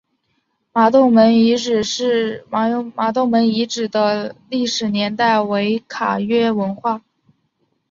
麻洞门遗址的历史年代为卡约文化。